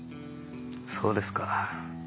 そうですか。